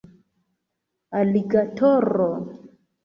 aligatoro